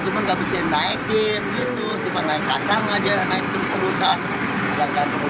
cuma nggak bisa naikin gitu cuma naik kacang aja naik terus terusan